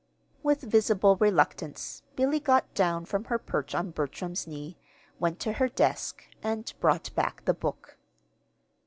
With visible reluctance Billy got down from her perch on Bertram's knee, went to her desk and brought back the book.